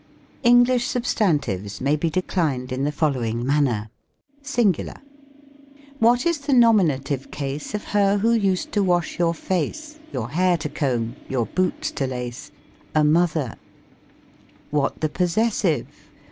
English substantives may be declined in the follow ing manner : SINGULAR. What IS the nominative case Of her who used to wash your face. Your hair to comb, your boots to lace ? A mother/ What the possessive?